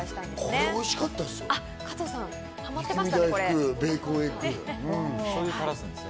これ、おいしかったっすよ。